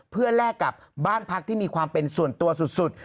เพื่อแลกกับบ้านพักที่มีความเป็นส่วนตัวสุด